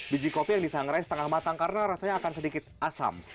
biji kopi yang disangrai setengah matang karena rasanya akan sedikit asam